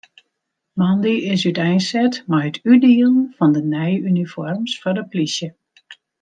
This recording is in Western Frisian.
Moandei is úteinset mei it útdielen fan de nije unifoarms foar de polysje.